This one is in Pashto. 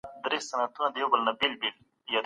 باطل په مابينځ کي هيڅ بریا نه لري.